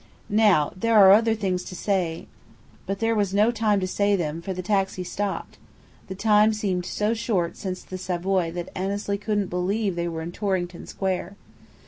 Now, there are other things to say " But there was no time to say them, for the taxi stopped. The time seemed so short since the Savoy that Annesley couldn't believe they were in Torrington Square.